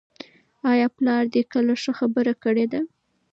آیا پلار دې کله ښه خبره کړې ده؟